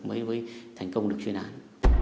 mới thành công được chuyên án